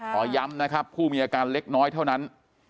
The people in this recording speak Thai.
ขอย้ำนะครับผู้มีอาการเล็กน้อยเท่านั้น